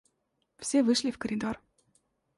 Все вышли в коридор.